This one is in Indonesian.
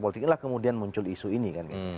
politik kemudian muncul isu ini